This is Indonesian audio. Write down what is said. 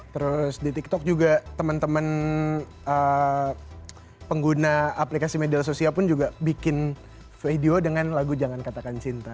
terus di tiktok juga teman teman pengguna aplikasi media sosial pun juga bikin video dengan lagu jangan katakan cinta